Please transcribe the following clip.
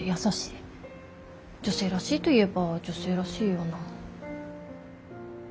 女性らしいといえば女性らしいような。